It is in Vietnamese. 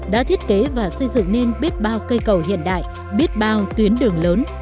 đã thiết kế và xây dựng nên biết bao cây cầu hiện đại biết bao tuyến đường lớn